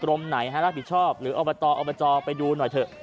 กรมไหนฮะรักผิดชอบหรือเอาไปต่อเอาไปจอไปดูหน่อยเถอะ